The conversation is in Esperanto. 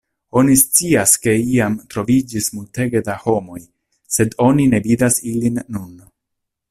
Oni scias ke iam troviĝis multege da homoj, sed oni ne vidas ilin nun.